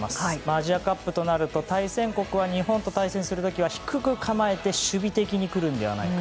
アジアカップとなると対戦国は日本と対戦する時は低く構えて守備的に来るのではないか。